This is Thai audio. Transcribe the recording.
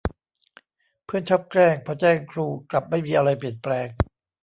เพื่อนชอบแกล้งพอแจ้งครู กลับไม่มีอะไรเปลี่ยนแปลง